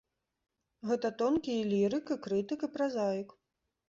Гэта тонкі і лірык, і крытык, і празаік.